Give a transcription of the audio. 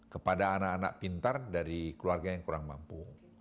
kepada anak anak pintar dari keluarga yang kurang mampu